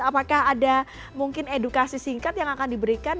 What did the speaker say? apakah ada mungkin edukasi singkat yang akan diberikan